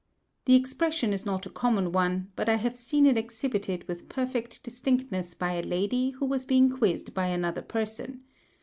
The expression is not a common one, but I have seen it exhibited with perfect distinctness by a lady who was being quizzed by another person.